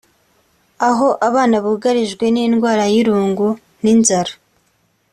aho abana bugarijwe n’indwara y’irungu n’inzara